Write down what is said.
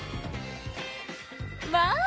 まあ！